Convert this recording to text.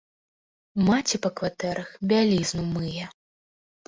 Маці па кватэрах бялізну мые.